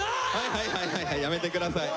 はいはいはいはいやめて下さい。